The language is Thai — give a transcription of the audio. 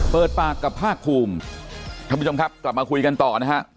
เปิดปากกับภาคภูมิท่านผู้ชมครับกลับมาคุยกันต่อนะฮะ